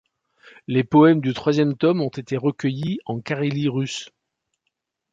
Les poèmes du troisième tome ont été recueillis en Carélie russe.